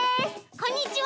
こんにちは！